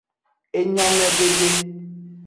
Enyomedede.